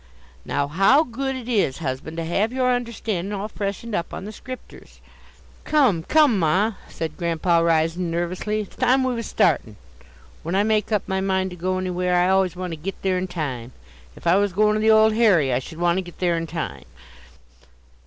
"Now, how good it is, husband, to have your understandin' all freshened up on the scripters!" "Come, come, ma!" said Grandpa, rising nervously. "It's time we was startin'. When I make up my mind to go anywhere I always want to git there in time. If I was goin' to the Old Harry, I should want to git there in time."